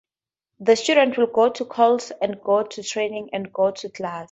The students will go to calls and go to training and go to class.